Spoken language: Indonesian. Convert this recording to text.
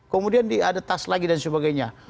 kemudian dia ada tas lagi dan sebagainya